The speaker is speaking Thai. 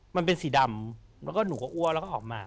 มันเป็นสีดำแล้วก็หนูก็อ้วกแล้วก็ออกมา